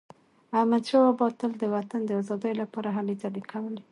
احمدشاه بابا تل د وطن د ازادی لپاره هلې ځلي کولي.